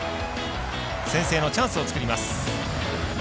先制のチャンスを作ります。